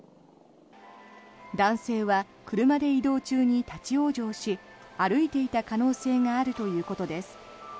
男性は車で移動中に立ち往生し歩いていた可能性があるということです。